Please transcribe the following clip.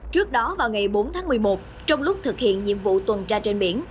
trước đó vào ngày bốn tháng một mươi một trong lúc thực hiện nhiệm vụ tuần tra trên biển